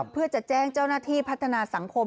เพื่อจะแจ้งเจ้าหน้าที่พัฒนาสังคม